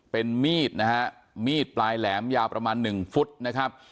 เป็นมีดนะฮะมีดปลายแหลมยาวประมาณหนึ่งฟุตนะครับ